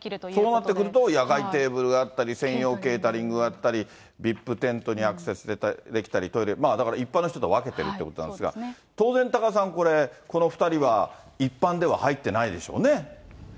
そうなってくると、野外テーブルがあったり、専用ケータリングがあったり、ＶＩＰテントにアクセスできたり、トイレ、だから一般の人とは分けてるということなんですが、当然、多賀さん、これ、この２人は一般では入ってないでしょうね。